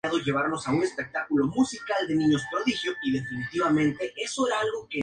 Además el nombre se elige en conjunto con el de la luna Nix.